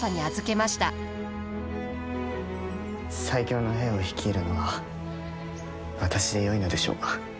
最強の兵を率いるのが私でよいのでしょうか。